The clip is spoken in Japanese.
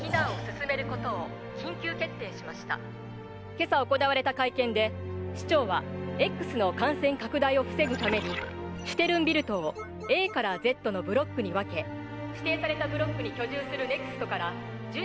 今朝行われた会見で市長はＸの感染拡大を防ぐためにシュテルンビルトをＡＺのブロックに分け指定されたブロックに居住するＮＥＸＴから順次避難を進めると明言。